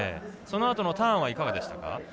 そのあとのターンはいかがですか？